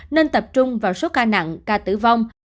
nên tập trung vào số ca nặng ca tử vong